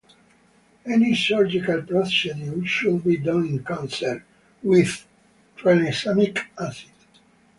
Any surgical procedure should be done "in concert" with tranexamic acid.